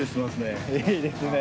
いいですね。